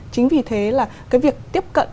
chính vì thế là cái việc tiếp cận